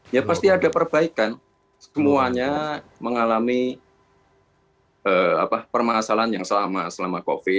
ya pasti ada perbaikan semuanya mengalami permasalahan yang sama selama covid